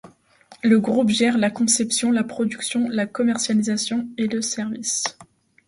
Le groupe gère la conception, la production, la commercialisation et le service.